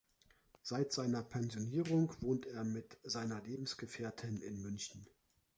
Seit seiner Pensionierung wohnt er mit seiner Lebensgefährtin in München.